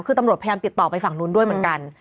คือตำรวจพยายามติดต่อไปฝั่งนู้นด้วยเหมือนกัน